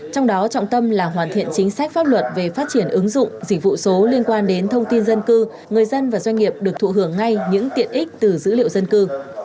trong đó trọng tâm là hoàn thiện chính sách pháp luật về phát triển ứng dụng dịch vụ số liên quan đến thông tin dân cư người dân và doanh nghiệp được thụ hưởng ngay những tiện ích từ dữ liệu dân cư